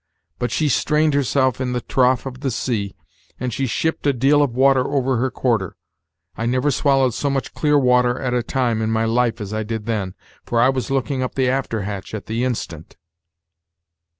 But she strained herself in the trough of the sea, and she shipped a deal of water over her quarter. I never swallowed so much clear water at a time in my life as I did then, for I was looking up the after hatch at the instant."